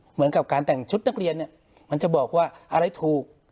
เหมือนกับการแต่งชุดนักเรียนเนี่ยมันจะบอกว่าอะไรถูก